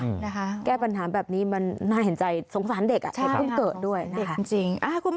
นะคะแก้ปัญหาแบบนี้มันน่าเห็นใจสงสารเด็กอ่ะใช่ค่ะต้องเกิดด้วยนะฮะจริงจริง